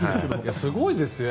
すごいですよね。